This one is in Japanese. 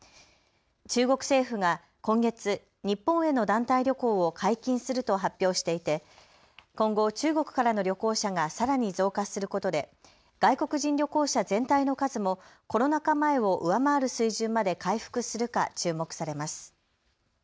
中国政府が今月、日本への団体旅行を解禁すると発表していて今後、中国からの旅行者がさらに増加することで外国人旅行者全体の数もコロナ禍前を上回る水準まで回復するか注目されます。